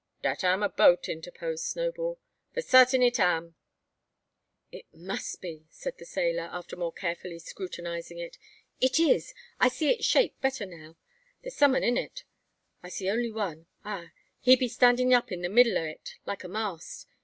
"Dat am a boat," interposed Snowball. "Fo' sartin it am." "It must be," said the sailor, after more carefully scrutinising it. "It is! I see its shape better now. There's some un in it. I see only one; ah, he be standin' up in the middle o' it, like a mast.